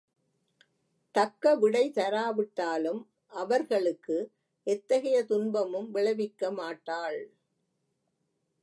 தக்கவிடை தராவிட்டாலும் அவர்களுக்கு எத்தகைய துன்பமும் விளைவிக்கமாட்டாள்.